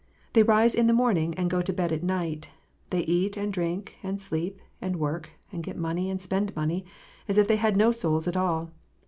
They rise in the morning and go to bed at night ; they eat, and drink, and sleep, and work, and get money, and spend money, as if they had no souls at all.